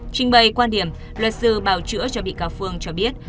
trình bày quan điểm luật sư bào chữa cho bị cáo phương cho biết